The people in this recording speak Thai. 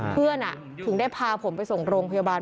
เพื่อนอะถึงได้พาผมไปส่งโรงพยาบาล